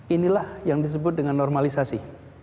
inilah yang disebut dengan normalisasi